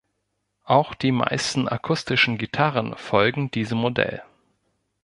Auch die meisten akustischen Gitarren folgen diesem Modell.